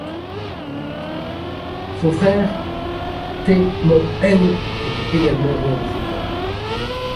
Son frère, The Mo Heng, était également joueur de football.